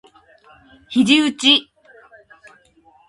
肘うち